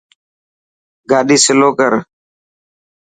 گاڏي سلو ڪر.